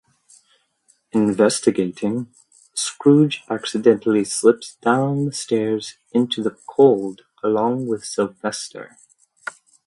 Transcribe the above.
Investigating, Scrooge accidentally slips down the stairs and into the cold along with Sylvester.